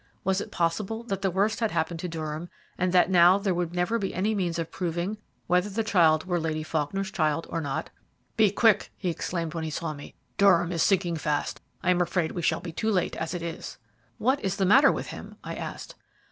Was it possible that the worst had happened to Durham, and that now there would never be any means of proving whether the child were Lady Faulkner's child or not? "Be quick," he exclaimed, when he saw me. "Durham is sinking fast; I am afraid we shall be too late as it is." "What is the matter with him?" I asked.